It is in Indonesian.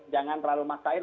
jangan terlalu masain